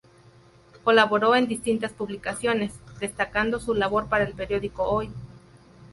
Colaboró en distintas publicaciones, destacando su labor para el periódico Hoy.